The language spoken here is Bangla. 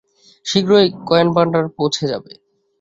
শীঘ্রই কয়েন ভান্ডারে পৌঁছে যাব।